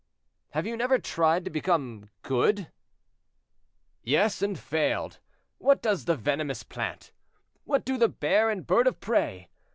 "Have you never tried to become good?" "Yes, and failed. What does the venomous plant? What do the bear and bird of prey?